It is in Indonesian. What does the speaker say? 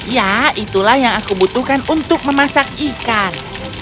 ya itulah yang aku butuhkan untuk memasak ikan